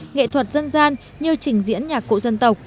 nghệ thuật dân gian như trình diễn nhạc cụ dân tộc